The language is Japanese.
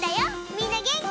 みんなげんき？